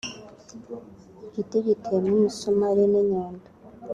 igiti giteyemo imisumari n’inyundo